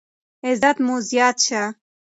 عزت مو زیات شه.